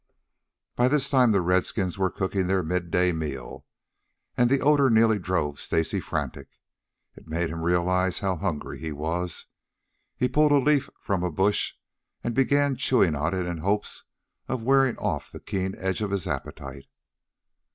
By this time the redskins were cooking their midday meal, and the odor nearly drove Stacy frantic. It made him realize how hungry he was. He pulled a leaf from a bush and began chewing it in hopes of wearing off the keen edge of his appetite.